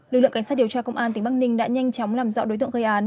lực lượng cảnh sát điều tra công an tỉnh bắc ninh đã nhanh chóng làm rõ đối tượng gây án